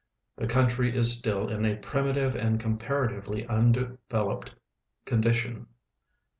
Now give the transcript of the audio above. The country is still in a |)rimitive and com})aratively undeveloi)ed condition.